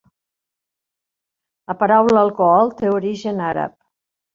La paraula alcohol té origen àrab.